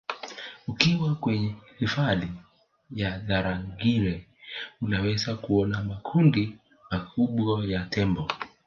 ukiwa kwenye hifadhi ya tarangire unaweza kuona makundi makubwa ya tembo